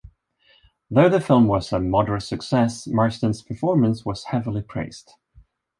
Though the film was a moderate success, Marsden's performance was heavily praised.